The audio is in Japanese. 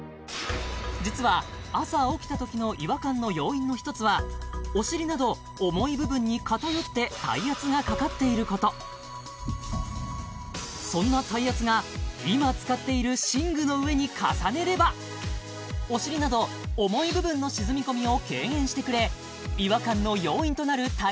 実は朝起きたときの違和感の要因の一つはお尻など重い部分に偏って体圧がかかっていることそんな体圧が今使っている寝具の上に重ねればお尻など重い部分の沈み込みを軽減してくれ違和感の要因となる体圧を分散